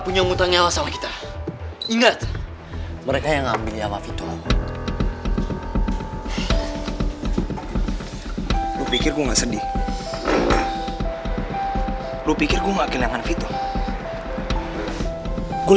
punya mutang nyawa sama kita ingat mereka yang ambil jawab itu lu pikir gua sedih lu pikir gua